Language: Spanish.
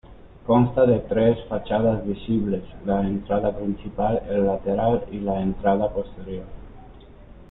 Consta de tres fachadas visibles, la entrada principal, el lateral y la entrada posterior.